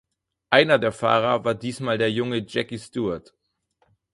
Einer der Fahrer war diesmal der junge Jackie Stewart.